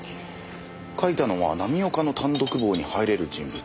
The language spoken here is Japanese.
書いたのは浪岡の単独房に入れる人物。